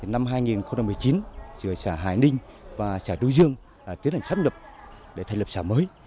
năm hai nghìn một mươi chín giữa xã hải ninh và xã đu dương tiến hành sắp nhập để thành lập xã mới